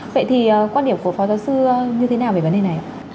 vậy thì quan điểm của phó giáo sư như thế nào về vấn đề này ạ